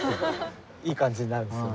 いい感じになるんですよね。